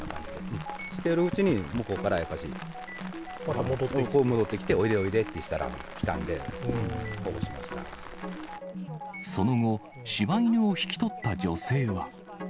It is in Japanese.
してるうちに、向こうからこう戻ってきて、おいでおいでってしたら、来たんその後、しば犬を引き取った女性は。